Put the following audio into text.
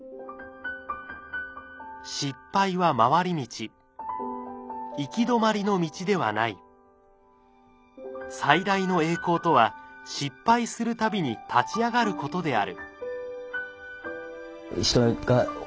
「失敗は回り道」「行き止まりの道ではない」「最大の栄光とは失敗するたびに立ち上がることである」